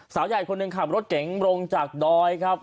สาวใหญ่คนหนึ่งขับรถเก๋งลงจากดอยครับ